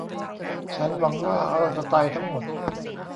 ฉันหวังว่าเราจะตายทั้งหมด